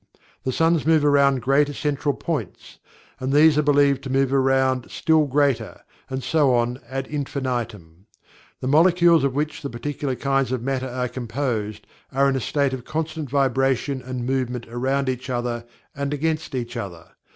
The suns move around greater central points, and these are believed to move around still greater, and so on, ad infinitum. The molecules of which the particular kinds of Matter are composed are in a state of constant vibration and movement around each other and against each other.